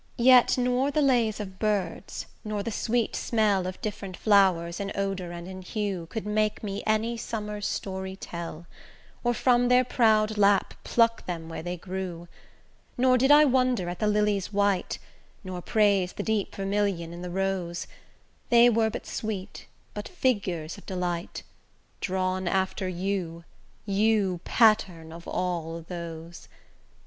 Yet nor the lays of birds, nor the sweet smell Of different flowers in odour and in hue, Could make me any summer's story tell, Or from their proud lap pluck them where they grew: Nor did I wonder at the lily's white, Nor praise the deep vermilion in the rose; They were but sweet, but figures of delight, Drawn after you, you pattern of all those.